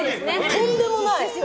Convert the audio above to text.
とんでもない！